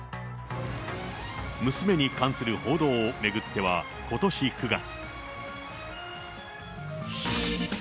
娘に関する報道を巡ってはことし９月。